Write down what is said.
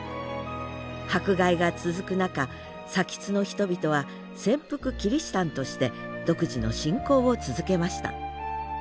迫害が続く中津の人々は潜伏キリシタンとして独自の信仰を続けました。